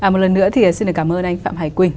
một lần nữa thì xin cảm ơn anh phạm hải quỳnh